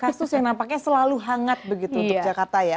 kasus yang nampaknya selalu hangat begitu untuk jakarta ya